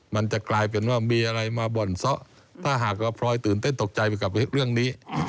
มันจะกลายเป็นว่ามีอะไรมาบ่อนซะถ้าหากว่าพลอยตื่นเต้นตกใจไปกับเรื่องนี้